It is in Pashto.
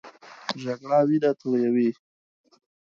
جګړه وینه تویوي